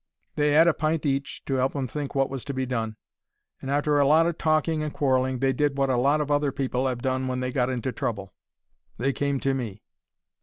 They 'ad a pint each to 'elp them to think wot was to be done. And, arter a lot o' talking and quarrelling, they did wot a lot of other people 'ave done when they got into trouble: they came to me.